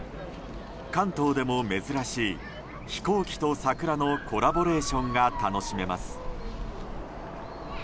関東でも珍しい飛行機と桜のコラボレーションが楽しめます。